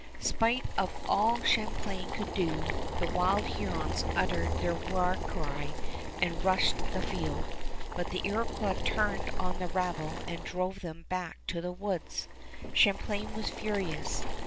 Spite of all Champlain could do, the wild Hurons uttered their war cry and rushed the field, but the Iroquois turned on the rabble and drove them back to the woods. Champlain was furious.